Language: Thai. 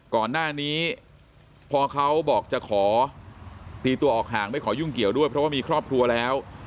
ก่อนหน้านี้พอเขาบอกจะขอตีตัวออกห่างไม่ขอยุ่งเกี่ยวด้วยเพราะว่ามีครอบครัวแล้ว